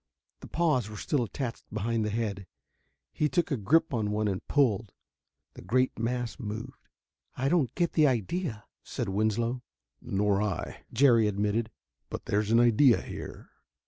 The paws were still attached behind the head. He took a grip on one and pulled. The great mass moved. "I don't get the idea," said Winslow. "Nor I," Jerry admitted, "but there's an idea here."